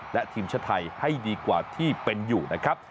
และทีมชาติไทยให้ดีกว่าที่เป็นอยู่นะครับ